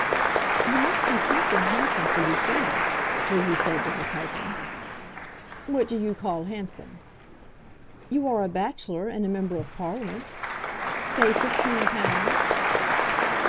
"You must do something handsome for Lucinda," Lizzie said to her cousin. "What do you call handsome?" "You are a bachelor and a Member of Parliament. Say fifteen pounds."